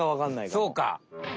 そうか。